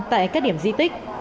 tại các điểm di tích